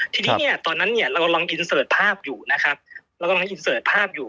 ทีนี้เนี่ยตอนนั้นเนี่ยเราลองอินเสิร์ชภาพอยู่นะครับเรากำลังให้อินเสิร์ชภาพอยู่